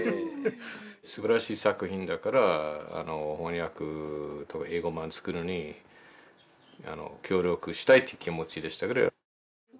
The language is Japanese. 素晴らしい作品だから翻訳と英語版を作るのに協力したいっていう気持ちでしたから。